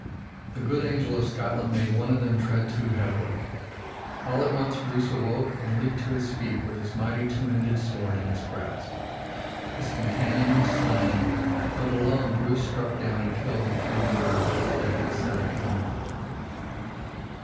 The good angel of Scotland made one of them tread too heavily. All at once Bruce awoke and leaped to his feet with his mighty two handed sword in his grasp. His companion was slain, but alone Bruce struck down and killed the three murderers that had set upon him.